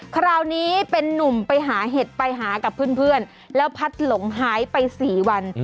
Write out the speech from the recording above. คราวนี้เป็นนุ่มไปหาเห็ดไปหากับเพื่อนแล้วพัดหลงหายไป๔วัน